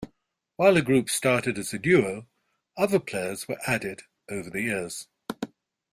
While the group started as a duo, other players were added over the years.